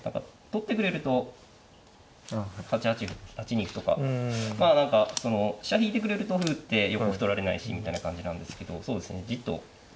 取ってくれると８八歩８二歩とかまあ何か飛車引いてくれると歩打って横歩取られないしみたいな感じなんですけどそうですねじっと。